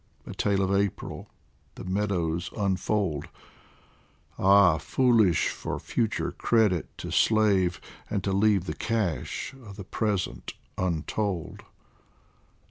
A tale of April the meadows unfold Ah, foolish for future credit to slave, And to leave the cash of the present untold